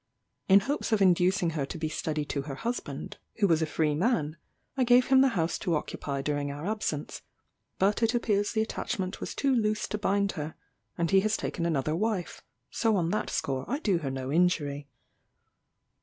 In hopes of inducing her to be steady to her husband, who was a free man, I gave him the house to occupy during our absence; but it appears the attachment was too loose to bind her, and he has taken another wife: so on that score I do her no injury.